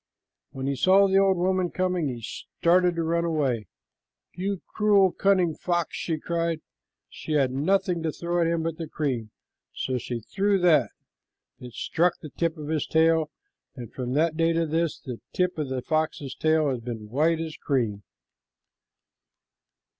When he saw the old woman coming, he started to run away. "You cruel, cunning fox!" she cried. She had nothing to throw at him but the cream, so she threw that. It struck the tip of his tail, and from that day to this, the tip of the fox's tail has been as white as cream.